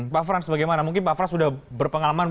pak frans bagaimana mungkin pak frans sudah berpengalaman